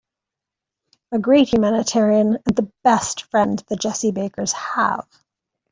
A great humanitarian and the best friend the Jessie Bakers have.